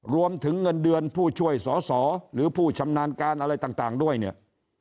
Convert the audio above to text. รวมถึงเงินเดือนผู้ช่วยสอสอหรือผู้ชำนาญการอะไรต่างด้วยเนี่ย